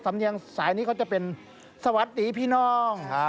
เนียงสายนี้เขาจะเป็นสวัสดีพี่น้อง